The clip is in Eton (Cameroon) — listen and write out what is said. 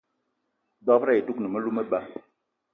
Dob-ro ayi dougni melou meba.